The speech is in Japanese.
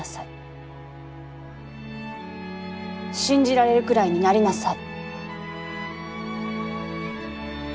信じられるくらいになりなさい。